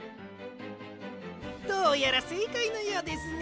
どうやらせいかいのようですね。